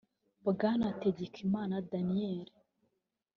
Bwana Hategekimana Daniel